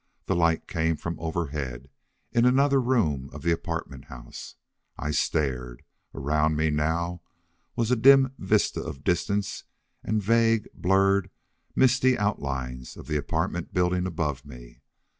The light came from overhead, in another room of the apartment house. I stared. Around me now was a dim vista of distance, and vague, blurred, misty outlines of the apartment building above me.